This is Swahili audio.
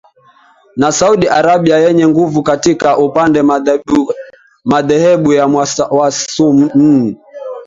na Saudi Arabia yenye nguvu katika upande madhehebu ya wasunni